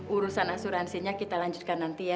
urusan asuransinya kita lanjutkan nanti ya